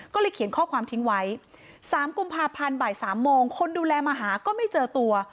ก็เลยเขียนข้อความทิ้งไว้๓กุมภาพันธ์บ่าย๓โมงคนดูแลมาหาก็ไม่เจอตัว